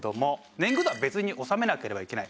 年貢とは別に納めなければいけない。